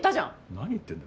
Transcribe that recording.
何言ってるんだ。